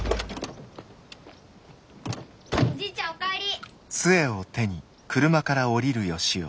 おじいちゃんお帰り。